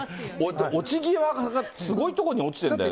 落ち際、すごい所に落ちてんだよね。